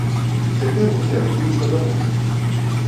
Цяпер усе рыхтуюцца да ночы.